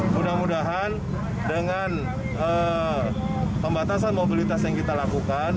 mudah mudahan dengan pembatasan mobilitas yang kita lakukan